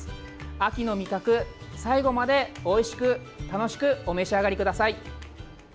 秋の味覚、最後までおいしく楽しくお召し上がりください。